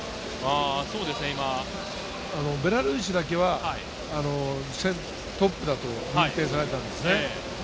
ベラルーシだけは、トップだと認定されたんですよね。